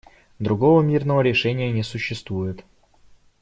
Другого мирного решения не существует.